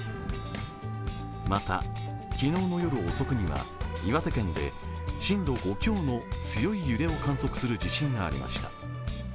また、昨日の夜遅くには岩手県で震度５強の強い揺れを観測する地震がありました。